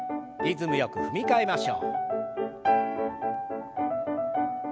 リズムよく踏み替えましょう。